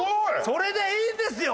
それでいいんですよ。